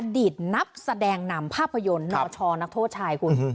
ดีตนักแสดงนำภาพยนตร์นชนักโทษชายคุณ